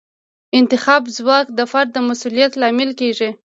د انتخاب ځواک د فرد د مسوولیت لامل کیږي.